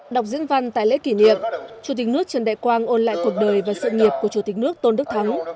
đọc diễn văn tại lễ kỷ niệm chủ tịch nước trần đại quang ôn lại cuộc đời và sự nghiệp của chủ tịch nước tôn đức thắng